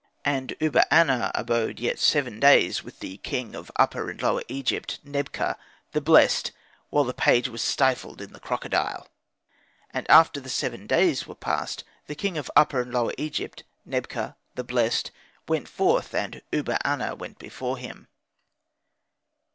"And Uba aner abode yet seven days with the king of Upper and Lower Egypt, Nebka, the blessed, while the page was stifled in the crocodile. And after the seven days were passed, the king of Upper and Lower Egypt, Nebka, the blessed, went forth, and Uba aner went before him.